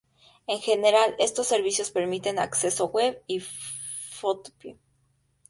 En general, estos servicios permiten acceso web y ftp.